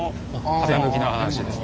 傾きの話ですね。